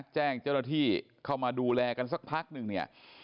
แจ้งเจ้าหน้าที่เข้ามาดูแลกันสักพักหนึ่งเนี่ย